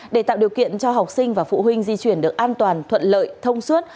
để tạo điều kiện cho học sinh và phụ huynh di chuyển được an toàn thuận lợi thông suốt